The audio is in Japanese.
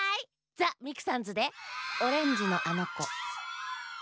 ザ・ミクさんズで「オレンジのあのこ」。